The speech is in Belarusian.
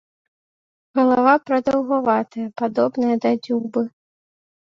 Галава прадаўгаватая, падобная да дзюбы.